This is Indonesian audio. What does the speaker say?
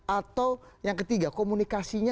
atau yang ketiga komunikasinya